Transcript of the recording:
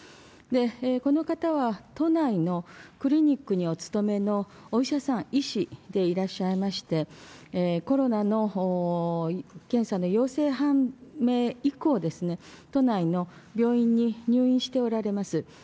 この方は、都内のクリニックにお勤めのお医者さん、医師でいらっしゃいまして、コロナの検査の陽性判明以降、都内の病院に入院しておられます。